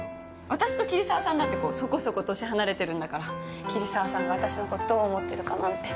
私と桐沢さんだってこうそこそこ年離れてるんだから桐沢さんが私の事どう思ってるかなんて。